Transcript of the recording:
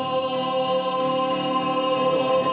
そうね。